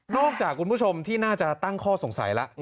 จากคุณผู้ชมที่น่าจะตั้งข้อสงสัยแล้ว